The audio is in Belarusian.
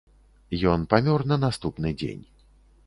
Ён памёр на наступны дзень.